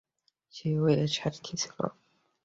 সেও এর সাক্ষী ছিল।